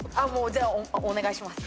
じゃあお願いします。